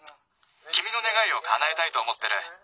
きみのねがいをかなえたいとおもってる。